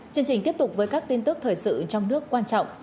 chương trình tiếp tục với các tin tức thời sự trong nước quan trọng